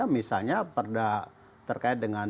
misalnya perda terkait dengan